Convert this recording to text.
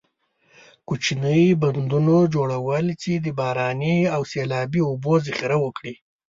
کوچنۍ بندونو جوړول چې د باراني او سیلابي اوبو ذخیره وکړي.